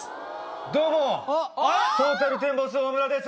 どうもトータルテンボス・大村です